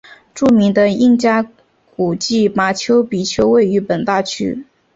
著名的印加古迹马丘比丘位于本大区。